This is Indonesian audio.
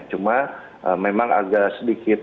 cuma memang agak sedikit